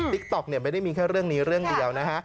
ติ๊กต๊อกเนี่ยไม่ได้มีแค่เรื่องนี้เรื่องเดียวนะฮะ